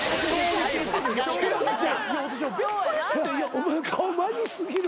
お前顔マジ過ぎる。